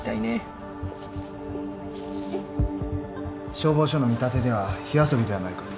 消防署の見立てでは火遊びではないかと。